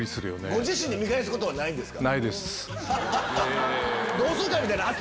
ご自身で見返すことはないんですか？